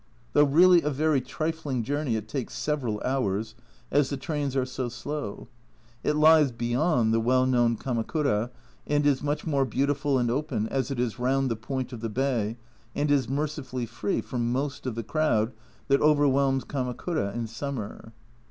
Though really a very trifling journey, it takes several hours, as the trains are so slow. It lies beyond the well known Kamakura, and is much more beautiful and open, as it is round the point of the bay, and is mercifully free from most of the crowd that overwhelms Kamakura in summer.